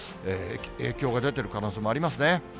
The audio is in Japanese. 影響が出てる可能性もありますね。